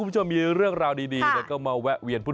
ใช่แล้ว